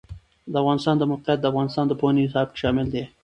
د افغانستان د موقعیت د افغانستان د پوهنې نصاب کې شامل دي.